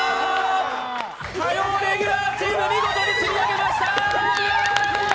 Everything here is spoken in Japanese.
火曜レギュラーチーム、見事に積み上げました。